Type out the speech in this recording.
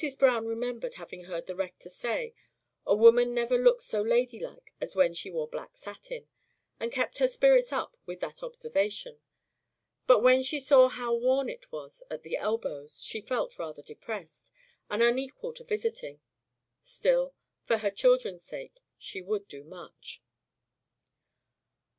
Browne remembered having heard the rector say, "A woman never looked so lady like as when she wore black satin," and kept her spirits up with that observation; but when she saw how worn it was at the elbows, she felt rather depressed, and unequal to visiting. Still, for her children's sake, she would do much.